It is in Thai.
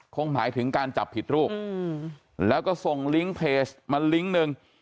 คงหมายถึงการจับผิดรูปแล้วก็ส่งลิงก์เพจมาลิงก์หนึ่ง